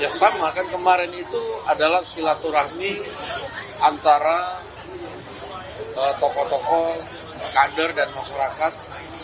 ya sama kan kemarin itu adalah silaturahmi antara tokoh tokoh kader dan masyarakat